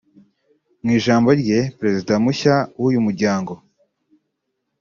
Mu ijambo rye Perezida mushya w’uyu muryango